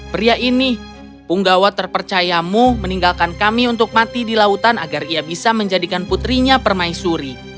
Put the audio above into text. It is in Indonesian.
pria ini punggawa terpercayamu meninggalkan kami untuk mati di lautan agar ia bisa menjadikan putrinya permaisuri